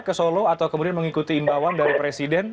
ke solo atau kemudian mengikuti imbauan dari presiden